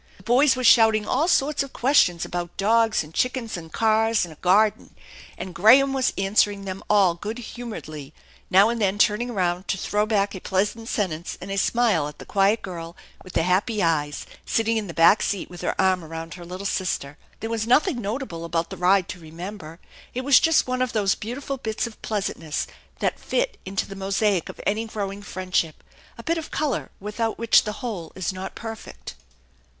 The hoys were shouting all sorts of questions about dogs and chickens and cars and a garden, and Graham was answer ing them all good humoredly, now and then turning around to throw back a pleasant sentence and a smile at the quiet girl with the happy eyes sitting in the back seat with her arm around her little sister. There WP,S nothing notable about the ride to remember. It was just one of those beautiful bits of pleasantness that fit into the mosaic of any growing friendship, a bit of color without which the whole is not perfect.